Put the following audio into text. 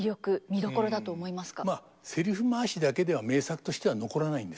まあセリフ回しだけでは名作としては残らないんですね。